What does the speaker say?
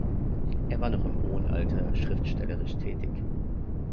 Er war noch in hohem Alter schriftstellerisch tätig.